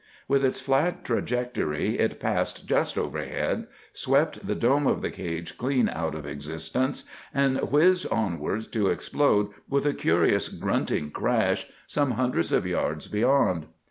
With its flat trajectory it passed just overhead, swept the dome of the cage clean out of existence, and whizzed onwards to explode, with a curious grunting crash, some hundreds of yards beyond.